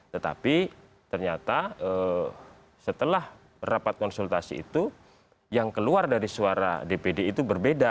tetapi ternyata setelah rapat konsultasi itu yang keluar dari suara dpd itu berbeda